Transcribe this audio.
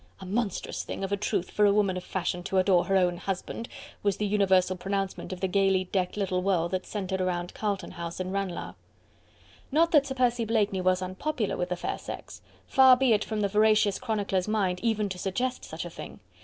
"A monstrous thing, of a truth, for a woman of fashion to adore her own husband!" was the universal pronouncement of the gaily decked little world that centred around Carlton House and Ranelagh. Not that Sir Percy Blakeney was unpopular with the fair sex. Far be it from the veracious chronicler's mind even to suggest such a thing.